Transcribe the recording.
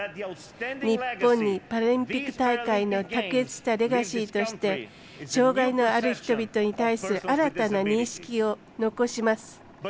日本にパラリンピック大会の卓越したレガシーとして障がいのある人々に対して新たな認識を残します。